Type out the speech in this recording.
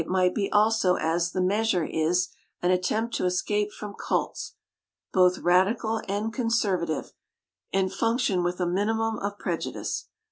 It might be also, as The Mbasurb is, an at tempt to escape from cults, both radical and conservative, and function with a minimum of prejudice.